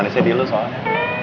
mane sedih lu soalnya